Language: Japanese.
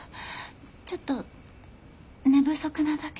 ちょっと寝不足なだけで。